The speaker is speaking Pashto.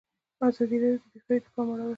ازادي راډیو د بیکاري ته پام اړولی.